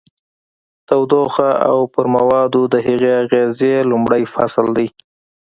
تودوخه او پر موادو د هغې اغیزې لومړی فصل دی.